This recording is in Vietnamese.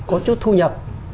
có chút thu nhập